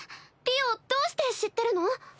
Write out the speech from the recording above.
りおどうして知ってるの？